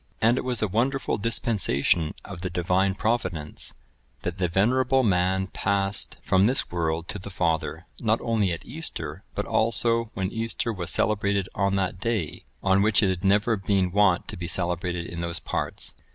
And it was a wonderful dispensation of the Divine Providence, that the venerable man passed from this world to the Father, not only at Easter, but also when Easter was celebrated on that day,(995) on which it had never been wont to be celebrated in those parts.